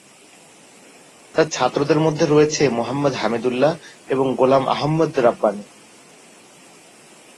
তার ছাত্রদের মধ্যে রয়েছেঃ মুহাম্মদ হামিদুল্লাহ এবং গোলাম আহমদ রাব্বানী।